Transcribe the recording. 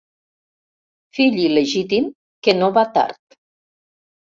Fill il·legítim que no va tard.